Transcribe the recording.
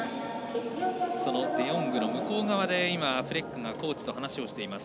デヨングの向こう側にフレックがコーチと話をしています。